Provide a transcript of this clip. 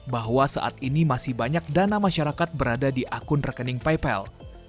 bahwa saat ini masih banyak dana masyarakat berada di akun rekening paypal